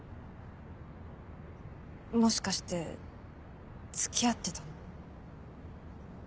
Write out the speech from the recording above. もしかして付き合ってたの？